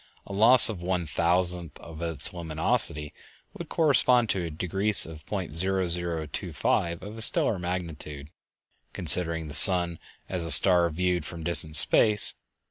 A loss of one thousandth of its luminosity would correspond to a decrease of .0025 of a stellar magnitude, considering the sun as a star viewed from distant space.